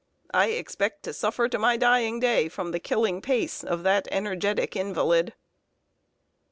I expect to suffer to my dying day from the killing pace of that energetic invalid.